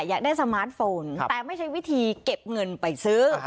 อยากได้สมาร์ทโฟนแต่ไม่ใช่วิธีเก็บเงินไปซื้อ